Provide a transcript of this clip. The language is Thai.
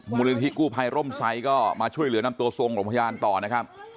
มูลนิธิกู้ภัยร่มไซค์ก็มาช่วยเหลือนำตัวส่งโรงพยาบาลต่อนะครับ